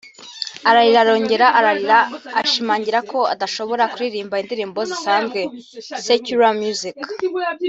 ararahira arongera ararahira ashimangira ko adashobora kuririmba indirimbo zisanzwe (secular music)